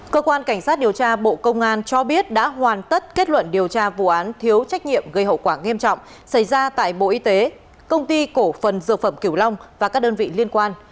cơ quan cảnh sát điều tra bộ công an cho biết đã hoàn tất kết luận điều tra vụ án thiếu trách nhiệm gây hậu quả nghiêm trọng xảy ra tại bộ y tế công ty cổ phần dược phẩm kiểu long và các đơn vị liên quan